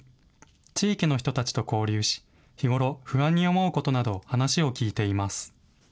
地域の人たちと交流し、日頃不安に思うことなど話を聞いています。